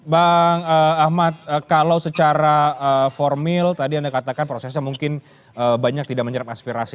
bang ahmad kalau secara formil tadi anda katakan prosesnya mungkin banyak tidak menyerap aspirasi